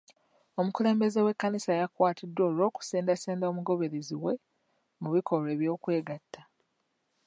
Omukulembeze w'ekkanisa yakwatiddwa olw'okusendasenda omugoberezi we mu bikolwa eby'okwegatta.